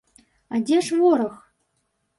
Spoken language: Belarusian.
А дзе ж вораг?